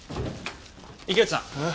池内さん。